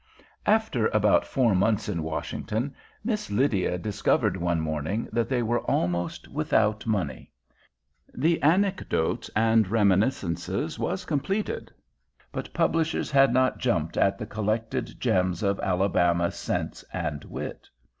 After about four months in Washington, Miss Lydia discovered one morning that they were almost without money. The Anecdotes and Reminiscences was completed, but publishers had not jumped at the collected gems of Alabama sense and wit.